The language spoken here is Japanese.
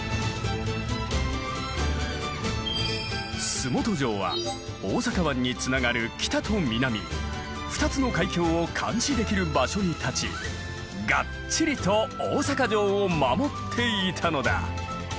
洲本城は大阪湾につながる北と南２つの海峡を監視できる場所に立ちがっちりと大坂城を守っていたのだ。